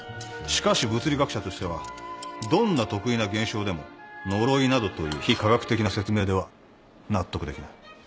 しかし物理学者としてはどんな特異な現象でも呪いなどという非科学的な説明では納得できない。